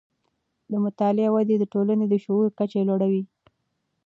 د مطالعې وده د ټولنې د شعور کچې لوړوي.